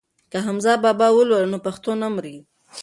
که حمزه بابا ولولو نو پښتو نه مري.